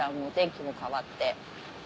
お天気も変わって。